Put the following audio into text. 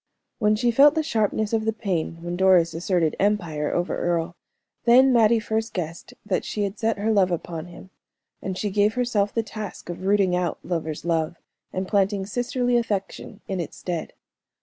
When she felt the sharpness of the pain when Doris asserted empire over Earle, then Mattie first guessed that she had set her love upon him; and she gave herself the task of rooting out lover's love, and planting sisterly affection in its stead.